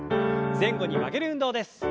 前後に曲げる運動です。